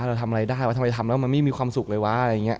เราทำอะไรได้ทำอะไรทำแล้วมันไม่มีความสุขเลยวะ